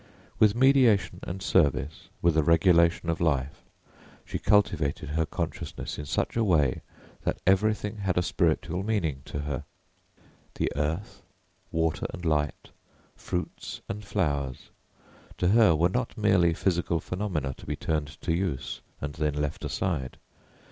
With mediation and service, with a regulation of life, she cultivated her consciousness in such a way that everything had a spiritual meaning to her. The earth, water and light, fruits and flowers, to her were not merely physical phenomena to be turned to use and then left aside.